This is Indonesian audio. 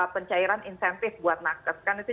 pencairan insentif buat nakes kan itu